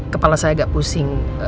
kepala saya agak pusing